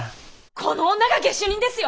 この女が下手人ですよ。